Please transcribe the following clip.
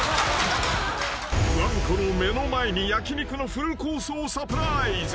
［わんこの目の前に焼き肉のフルコースをサプライズ］